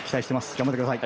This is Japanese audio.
頑張ってください。